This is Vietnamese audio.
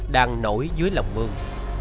đang nổi dưới lòng mương